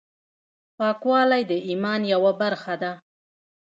پاکوالی د ایمان یوه برخه ده.